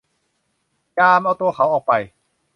ยาม เอาตัวเขาออกไป !